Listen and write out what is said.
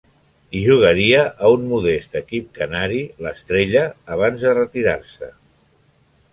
Hi jugaria a un modest equip canari, l'Estrella, abans de retirar-se.